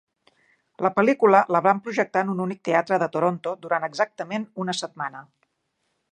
La pel·lícula la van projectar en un únic teatre de Toronto durant exactament una setmana.